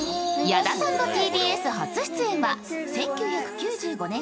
矢田さんのＴＢＳ初出演は１９９５年